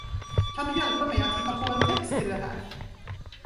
Kan du hjälpa mig att hitta på en text till det här?